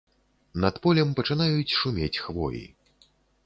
Над полем пачынаюць шумець хвоі!